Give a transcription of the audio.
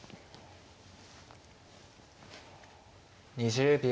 ２０秒。